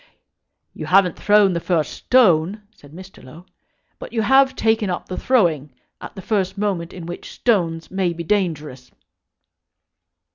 "You haven't thrown the first stone," said Mr. Low; "but you have taken up the throwing at the first moment in which stones may be dangerous."